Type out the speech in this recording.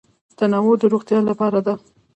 تنوع د روغتیا لپاره ده.